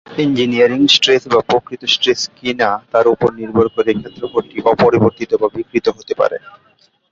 Engineering stress বা প্রকৃত stress কিনা তার উপর নির্ভর করে ক্ষেত্রফল টি অপরিবর্তিত বা বিকৃত হতে পারে।